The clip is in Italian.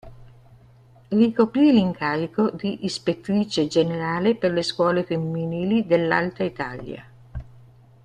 Ricoprì l’incarico di Ispettrice Generale per le scuole femminili dell'Alta Italia.